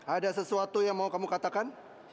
ada sesuatu yang mau kamu katakan